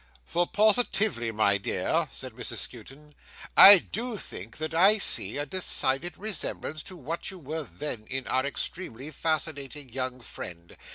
"For positively, my dear," said Mrs Skewton, "I do think that I see a decided resemblance to what you were then, in our extremely fascinating young friend.